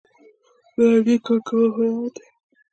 په لرګي کار کول هنر دی.